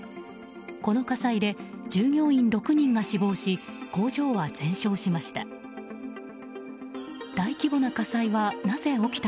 この火災で、従業員６人が死亡し工場は全焼しました。